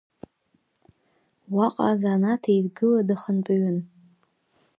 Уаҟа азанааҭеидгыла дахантәаҩын.